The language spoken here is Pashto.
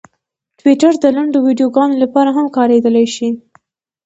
ټویټر د لنډو ویډیوګانو لپاره هم کارېدلی شي.